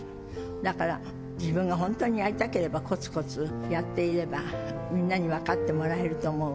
だから自分が本当にやりたければ、こつこつやっていれば、みんなに分かってもらえると思う。